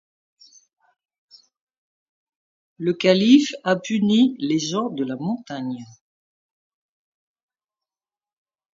Le calife a puni les gens de la montagne.